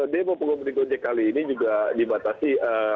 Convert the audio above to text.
demo pengumpulan ojek kali ini juga dibatasi